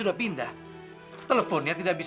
apa itu kenapa bok